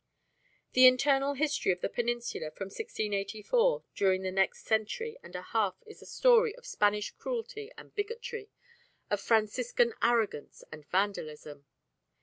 The internal history of the peninsula from 1684 during the next century and a half is a story of Spanish cruelty and bigotry, of Franciscan arrogance and vandalism.